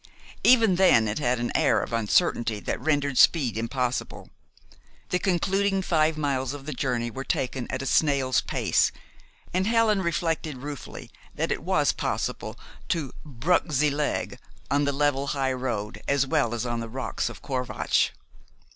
Even then it had an air of uncertainty that rendered speed impossible. The concluding five miles of the journey were taken at a snail's pace, and Helen reflected ruefully that it was possible to "bruk ze leg" on the level high road as well as on the rocks of Corvatsch.